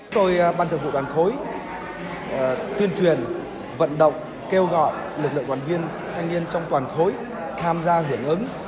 tôi ban thường vụ đoàn khối tuyên truyền vận động kêu gọi lực lượng quản viên thanh niên trong toàn khối tham gia hưởng ứng